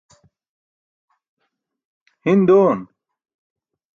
hin doon